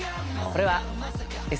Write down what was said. これは。